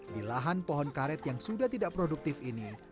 di lahan pohon karet yang sudah tidak produktif ini